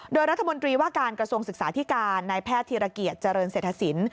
โดยรัฐมนตรีว่าการกระทรวงศึกษาธิการนายแพทย์ธีรเกียจเจริญเศรษฐศิลป์